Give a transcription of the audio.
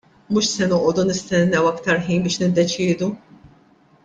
Mhux se noqogħdu nistennew aktar ħin biex niddeċiedu.